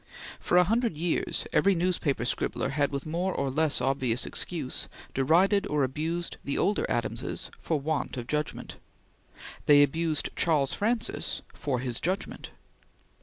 For a hundred years, every newspaper scribbler had, with more or less obvious excuse, derided or abused the older Adamses for want of judgment. They abused Charles Francis for his judgment.